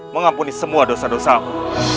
mengampuni semua dosa dosamu